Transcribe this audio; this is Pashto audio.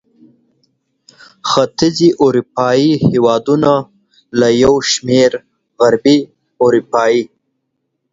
ختیځې اروپا هېوادونه له یو شمېر غربي اروپايي